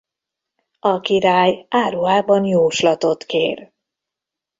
A király álruhában jóslatot kér.